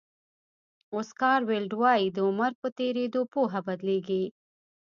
اوسکار ویلډ وایي د عمر په تېرېدو پوهه بدلېږي.